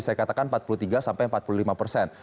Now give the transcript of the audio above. saya katakan empat puluh tiga sampai empat puluh lima persen